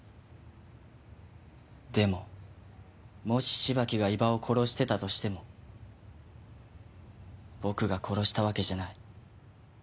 でももし芝木が伊庭を殺してたとしても僕が殺したわけじゃない。